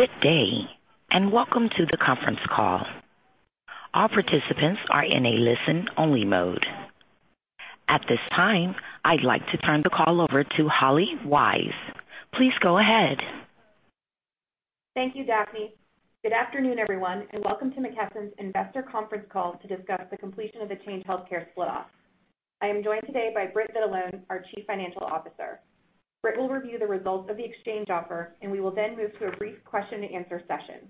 Good day, and welcome to the conference call. All participants are in a listen-only mode. At this time, I'd like to turn the call over to Holly Weiss. Please go ahead. Thank you, Daphne. Good afternoon, everyone, and welcome to McKesson's investor conference call to discuss the completion of the Change Healthcare split-off. I am joined today by Britt Vitalone, our Chief Financial Officer. Britt will review the results of the exchange offer, and we will then move to a brief question and answer session.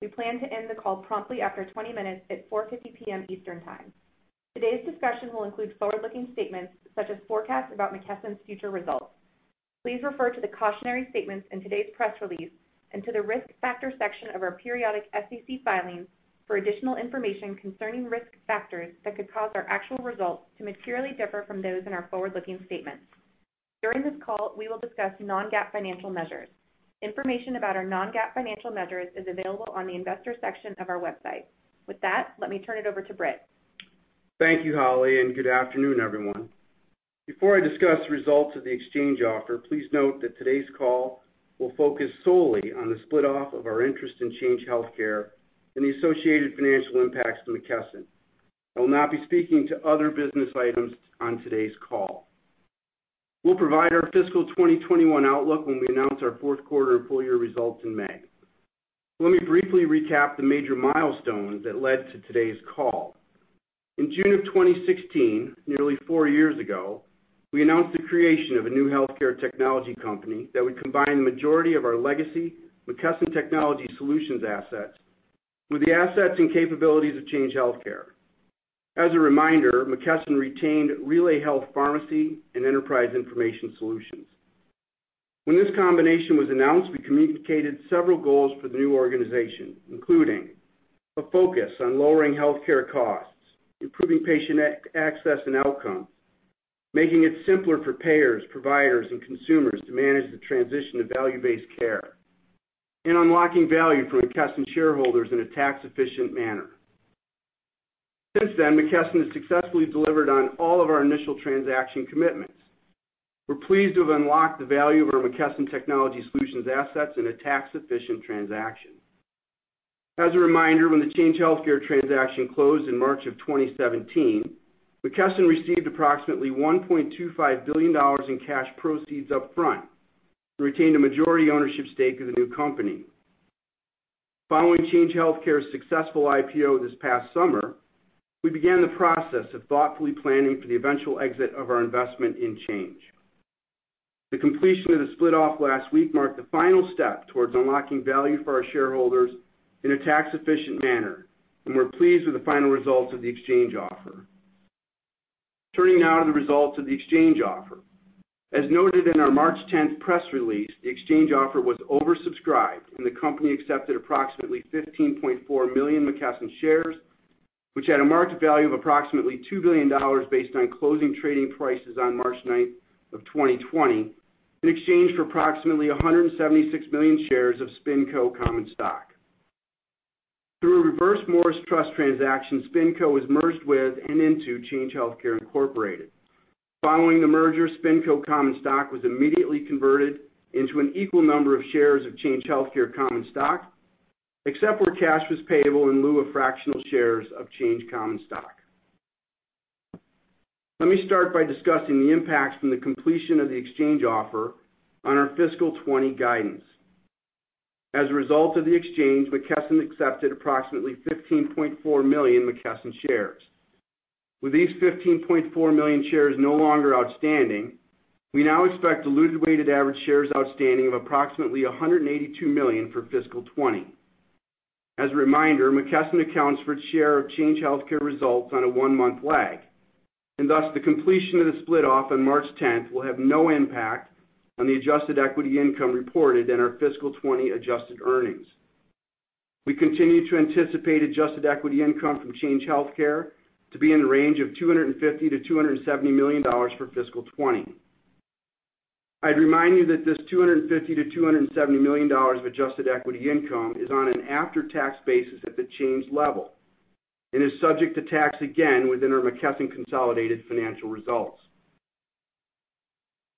We plan to end the call promptly after 20 minutes at 4:50 P.M. Eastern Time. Today's discussion will include forward-looking statements, such as forecasts about McKesson's future results. Please refer to the cautionary statements in today's press release and to the Risk Factors section of our periodic SEC filings for additional information concerning risk factors that could cause our actual results to materially differ from those in our forward-looking statements. During this call, we will discuss non-GAAP financial measures. Information about our non-GAAP financial measures is available on the Investors section of our website. With that, let me turn it over to Britt. Thank you, Holly, and good afternoon, everyone. Before I discuss the results of the exchange offer, please note that today's call will focus solely on the split-off of our interest in Change Healthcare and the associated financial impacts to McKesson. I will not be speaking to other business items on today's call. We'll provide our fiscal 2021 outlook when we announce our fourth quarter and full year results in May. Let me briefly recap the major milestones that led to today's call. In June of 2016, nearly four years ago, we announced the creation of a new healthcare technology company that would combine the majority of our legacy McKesson Technology Solutions assets with the assets and capabilities of Change Healthcare. As a reminder, McKesson retained RelayHealth Pharmacy and Enterprise Information Solutions. When this combination was announced, we communicated several goals for the new organization, including a focus on lowering healthcare costs, improving patient access and outcomes, making it simpler for payers, providers, and consumers to manage the transition to value-based care, and unlocking value for McKesson shareholders in a tax-efficient manner. Since then, McKesson has successfully delivered on all of our initial transaction commitments. We're pleased to have unlocked the value of our McKesson Technology Solutions assets in a tax-efficient transaction. As a reminder, when the Change Healthcare transaction closed in March of 2017, McKesson received approximately $1.25 billion in cash proceeds up front and retained a majority ownership stake in the new company. Following Change Healthcare's successful IPO this past summer, we began the process of thoughtfully planning for the eventual exit of our investment in Change. The completion of the split-off last week marked the final step towards unlocking value for our shareholders in a tax-efficient manner, and we're pleased with the final results of the exchange offer. Turning now to the results of the exchange offer. As noted in our March 10th press release, the exchange offer was oversubscribed, and the company accepted approximately 15.4 million McKesson shares, which had a market value of approximately $2 billion based on closing trading prices on March 9th of 2020, in exchange for approximately 176 million shares of SpinCo common stock. Through a Reverse Morris Trust transaction, SpinCo was merged with and into Change Healthcare, Inc. Following the merger, SpinCo common stock was immediately converted into an equal number of shares of Change Healthcare common stock, except where cash was payable in lieu of fractional shares of Change common stock. Let me start by discussing the impacts from the completion of the exchange offer on our fiscal 2020 guidance. As a result of the exchange, McKesson accepted approximately 15.4 million McKesson shares. With these 15.4 million shares no longer outstanding, we now expect diluted weighted average shares outstanding of approximately 182 million for fiscal 2020. As a reminder, McKesson accounts for its share of Change Healthcare results on a one-month lag, and thus, the completion of the split-off on March 10th will have no impact on the adjusted equity income reported in our fiscal 2020 adjusted earnings. We continue to anticipate adjusted equity income from Change Healthcare to be in the range of $250 million-$270 million for fiscal 2020. I'd remind you that this $250 million-$270 million of adjusted equity income is on an after-tax basis at the Change level and is subject to tax again within our McKesson consolidated financial results.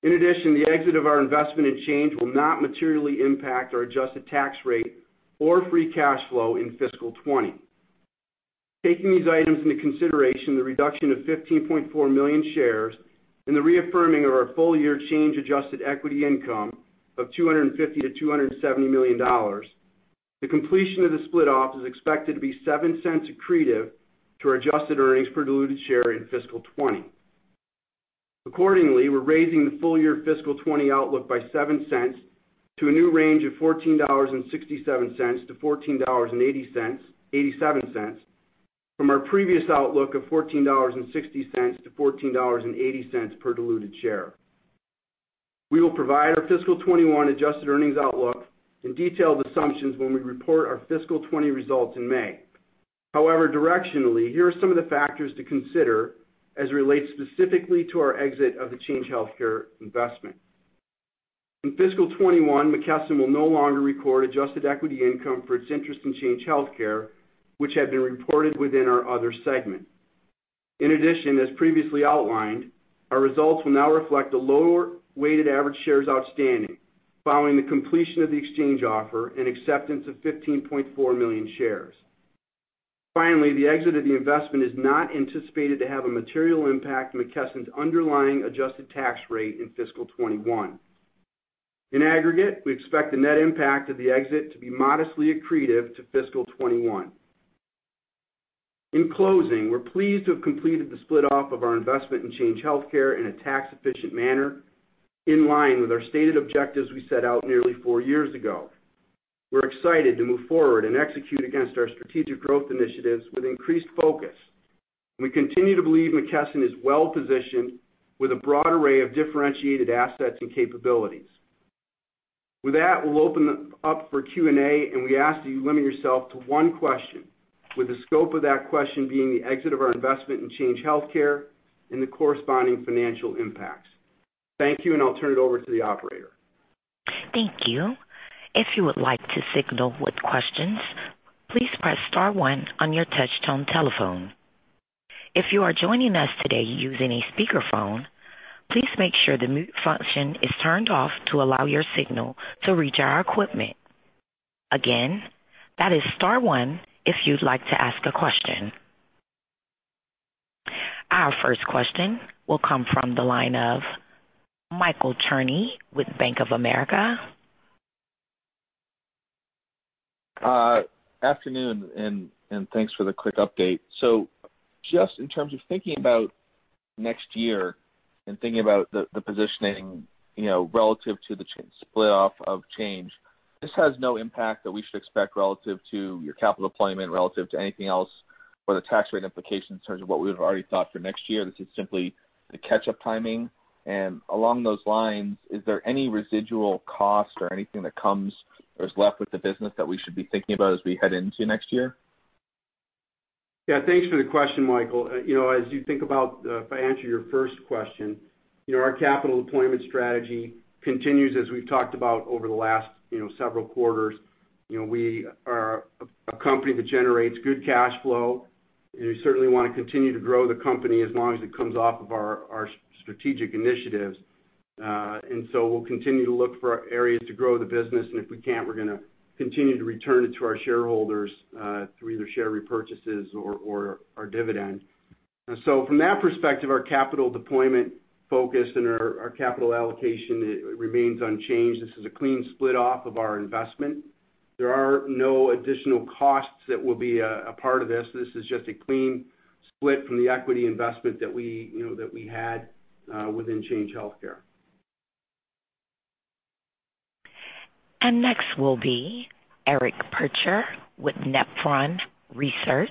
In addition, the exit of our investment in Change will not materially impact our adjusted tax rate or free cash flow in fiscal 2020. Taking these items into consideration, the reduction of 15.4 million shares and the reaffirming of our full-year Change adjusted equity income of $250 million-$270 million, the completion of the split-off is expected to be $0.07 accretive to our adjusted earnings per diluted share in fiscal 2020. Accordingly, we're raising the full-year fiscal 2020 outlook by $0.07 to a new range of $14.67-$14.87 from our previous outlook of $14.60-$14.80 per diluted share. We will provide our fiscal 2021 adjusted earnings outlook and detailed assumptions when we report our fiscal 2020 results in May. However, directionally, here are some of the factors to consider as it relates specifically to our exit of the Change Healthcare investment. In fiscal 2021, McKesson will no longer record adjusted equity income for its interest in Change Healthcare, which had been reported within our other segment. In addition, as previously outlined, our results will now reflect a lower weighted average shares outstanding following the completion of the exchange offer and acceptance of 15.4 million shares. Finally, the exit of the investment is not anticipated to have a material impact on McKesson's underlying adjusted tax rate in fiscal 2021. In aggregate, we expect the net impact of the exit to be modestly accretive to fiscal 2021. In closing, we're pleased to have completed the split-off of our investment in Change Healthcare in a tax-efficient manner, in line with our stated objectives we set out nearly four years ago. We're excited to move forward and execute against our strategic growth initiatives with increased focus. We continue to believe McKesson is well-positioned with a broad array of differentiated assets and capabilities. With that, we'll open up for Q&A, and we ask that you limit yourself to one question, with the scope of that question being the exit of our investment in Change Healthcare and the corresponding financial impacts. Thank you, and I'll turn it over to the operator. Thank you. If you would like to signal with questions, please press star one on your touchtone telephone. If you are joining us today using a speakerphone, please make sure the mute function is turned off to allow your signal to reach our equipment. Again, that is star one if you'd like to ask a question. Our first question will come from the line of Michael Cherny with Bank of America. Afternoon, and thanks for the quick update. Just in terms of thinking about next year and thinking about the positioning relative to the split-off of Change Healthcare, this has no impact that we should expect relative to your capital deployment, relative to anything else or the tax rate implications in terms of what we would've already thought for next year. This is simply the catch-up timing. Along those lines, is there any residual cost or anything that comes or is left with the business that we should be thinking about as we head into next year? Yeah, thanks for the question, Michael. As you think about, if I answer your first question, our capital deployment strategy continues as we've talked about over the last several quarters. We are a company that generates good cash flow, and we certainly want to continue to grow the company as long as it comes off of our strategic initiatives. We'll continue to look for areas to grow the business, and if we can't, we're going to continue to return it to our shareholders, through either share repurchases or our dividend. From that perspective, our capital deployment focus and our capital allocation remains unchanged. This is a clean split-off of our investment. There are no additional costs that will be a part of this. This is just a clean split from the equity investment that we had within Change Healthcare. Next will be Eric Percher with Nephron Research.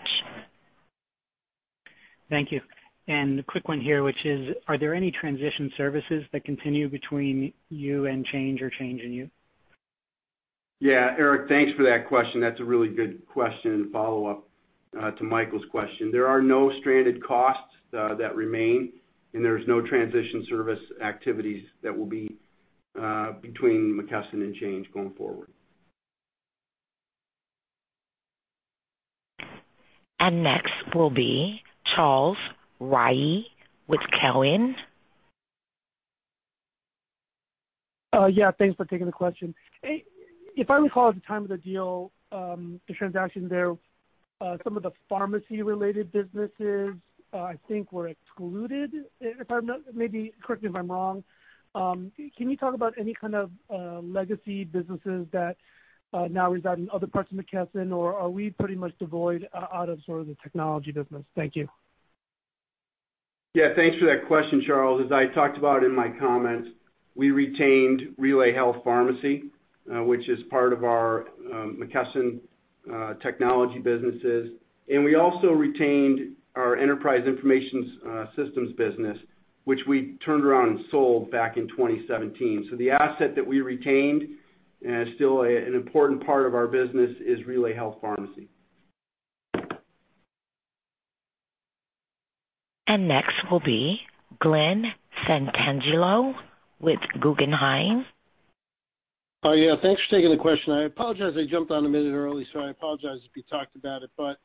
Thank you. A quick one here, which is, are there any transition services that continue between you and Change or Change and you? Yeah. Eric, thanks for that question. That's a really good question and follow up to Michael's question. There are no stranded costs that remain, and there's no transition service activities that will be between McKesson and Change going forward. Next will be Charles Rhyee with Cowen. Yeah, thanks for taking the question. If I recall at the time of the deal, the transaction there, some of the pharmacy-related businesses, I think, were excluded. Correct me if I'm wrong. Can you talk about any kind of legacy businesses that now reside in other parts of McKesson? Or are we pretty much devoid out of sort of the technology business? Thank you. Yeah, thanks for that question, Charles. As I talked about in my comments, we retained RelayHealth Pharmacy, which is part of our McKesson technology businesses, and we also retained our Enterprise Information Solutions business, which we turned around and sold back in 2017. The asset that we retained is still an important part of our business, is RelayHealth Pharmacy. Next will be Glen Santangelo with Guggenheim. Yeah. Thanks for taking the question. I apologize, I jumped on a minute early, so I apologize if you talked about it, but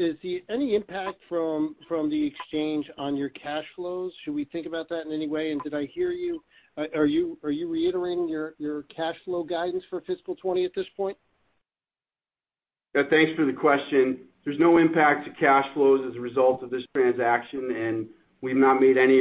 is there any impact from the exchange on your cash flows? Should we think about that in any way? Did I hear you? Are you reiterating your cash flow guidance for fiscal 2020 at this point? Yeah, thanks for the question. There's no impact to cash flows as a result of this transaction. We've not made any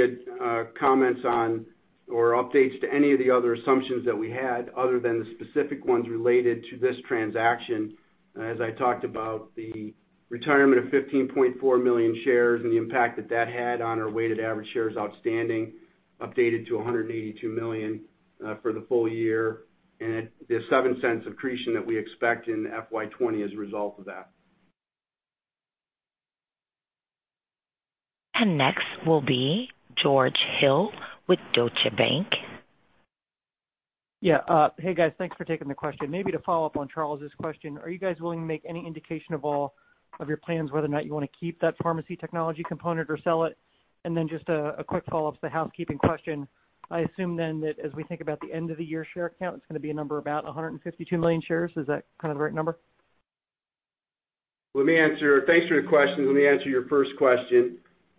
comments on or updates to any of the other assumptions that we had other than the specific ones related to this transaction. As I talked about, the retirement of 15.4 million shares and the impact that that had on our weighted average shares outstanding updated to 182 million for the full year, and the $0.07 accretion that we expect in FY 2020 as a result of that. Next will be George Hill with Deutsche Bank. Yeah. Hey, guys. Thanks for taking the question. Maybe to follow up on Charles's question, are you guys willing to make any indication at all of your plans whether or not you want to keep that pharmacy technology component or sell it? Just a quick follow-up to the housekeeping question. I assume that as we think about the end of the year share count, it's going to be a number about 152 million shares. Is that kind of the right number? Thanks for the question. Let me answer your first question.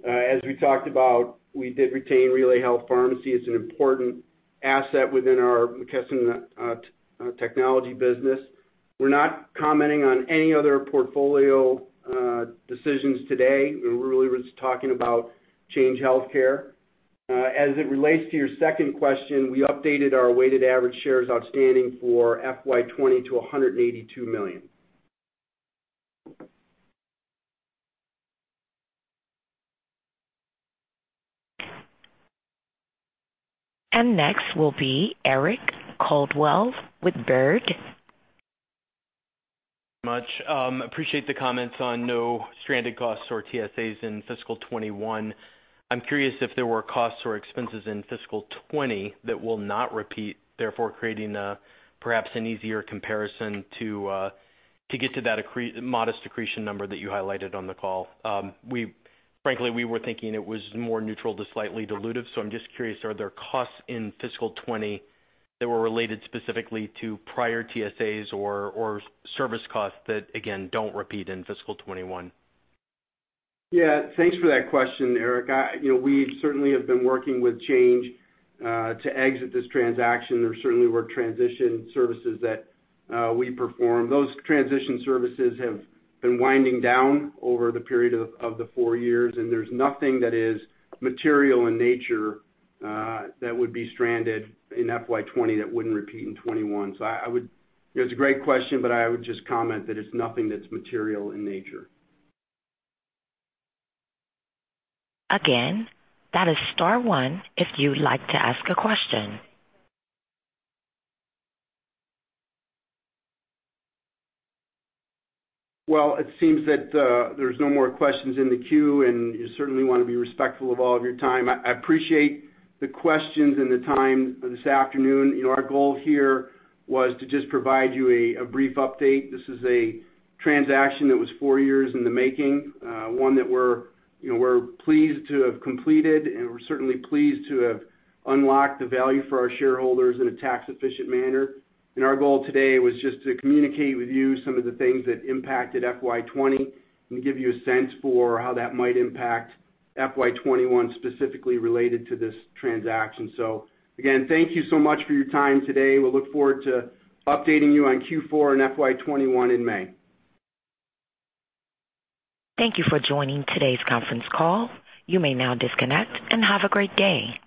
As we talked about, we did retain RelayHealth Pharmacy. It's an important asset within our McKesson Technology Solutions. We're not commenting on any other portfolio decisions today. We really were just talking about Change Healthcare. As it relates to your second question, we updated our weighted average shares outstanding for FY 2020 to 182 million. Next will be Eric Coldwell with Baird. I appreciate the comments on no stranded costs or TSAs in fiscal 2021. I'm curious if there were costs or expenses in fiscal 2020 that will not repeat, therefore creating perhaps an easier comparison to get to that modest accretion number that you highlighted on the call. Frankly, we were thinking it was more neutral to slightly dilutive. I'm just curious, are there costs in fiscal 2020 that were related specifically to prior TSAs or service costs that, again, don't repeat in fiscal 2021? Yeah. Thanks for that question, Eric. We certainly have been working with Change to exit this transaction. There certainly were transition services that we performed. Those transition services have been winding down over the period of the four years, and there's nothing that is material in nature that would be stranded in FY 2020 that wouldn't repeat in FY 2021. It's a great question, but I would just comment that it's nothing that's material in nature. Again, that is star one if you'd like to ask a question. Well, it seems that there's no more questions in the queue, and you certainly want to be respectful of all of your time. I appreciate the questions and the time this afternoon. Our goal here was to just provide you a brief update. This is a transaction that was four years in the making, one that we're pleased to have completed, and we're certainly pleased to have unlocked the value for our shareholders in a tax-efficient manner. Our goal today was just to communicate with you some of the things that impacted FY 2020 and give you a sense for how that might impact FY 2021, specifically related to this transaction. Again, thank you so much for your time today. We'll look forward to updating you on Q4 and FY 2021 in May. Thank you for joining today's conference call. You may now disconnect and have a great day.